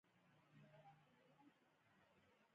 د شاه فولادي څوکه په بابا غر کې ده